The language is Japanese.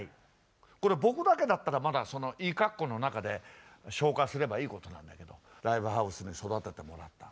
これ僕だけだったらまだその「いいかっこ」の中で消化すればいいことなんだけどライブハウスに育ててもらった。